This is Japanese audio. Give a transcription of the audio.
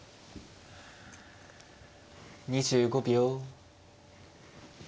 ２５秒。